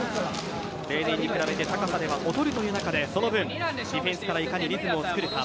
例年に比べて高さでは劣るという中で、その分ディフェンスからいかにリズムをつくるか。